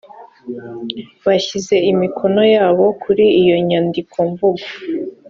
bashyize imikono yabo kuri iyo nyandikomvugo